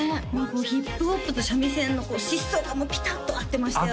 ヒップホップと三味線の疾走感もピタッと合ってましたよね